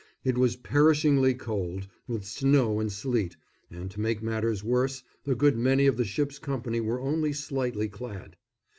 It was perishingly cold, with snow and sleet, and, to make matters worse, a good many of the ship's company were only slightly clad.